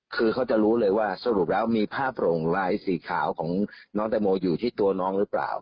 คือเขาจะรู้เลยว่าสรุปแล้วมีผ้าโปร่งลายสีขาวของน้องแตงโมอยู่ที่ตัวน้องหรือเปล่า